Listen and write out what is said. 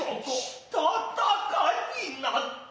したたかに鳴つた。